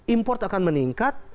import akan meningkat